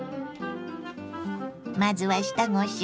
まずは下ごしらえ。